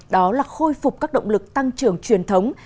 đó là khôi phục các động lực tăng trưởng truyền thống